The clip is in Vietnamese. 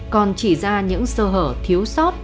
còn chỉ ra những sơ hở thiếu sót